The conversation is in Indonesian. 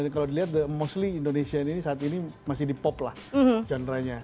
kalau dilihat the mostly indonesia ini saat ini masih di pop lah genre nya